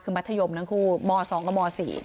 คือมัธยมทั้งคู่ม๒กับม๔